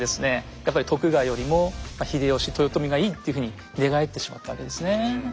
やっぱり徳川よりも秀吉豊臣がいいっていうふうに寝返ってしまったわけですね。